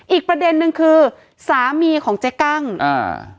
อีกประเด็นนึงคือสามีของเจ๊กั้งอ่า